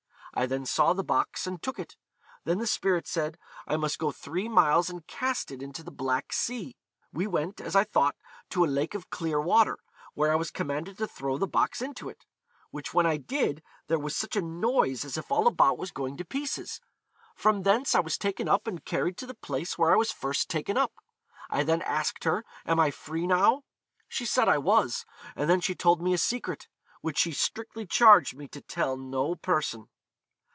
I then saw the box, and took it. Then the spirit said I must go three miles and cast it into the black sea. We went, as I thought, to a lake of clear water, where I was commanded to throw the box into it; which when I did there was such a noise as if all about was going to pieces. From thence I was taken up and carried to the place where I was first taken up. I then asked her, Am I free now? She said I was; and then she told me a secret, which she strictly charged me to tell no person.'